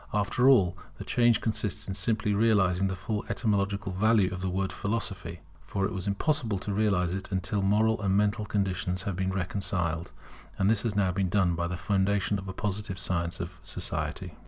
After all, the change consists simply in realizing the full etymological value of the word Philosophy. For it was impossible to realize it until moral and mental conditions had been reconciled; and this has been now done by the foundation of a Positive science of society.